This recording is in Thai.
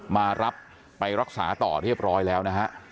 มารับไปรักษาต่อเรียบร้อยแล้วนะฮะ